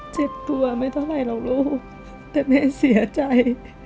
เจ็บตัวไม่เท่าไรหรอกลูกแต่แม่เสียใจ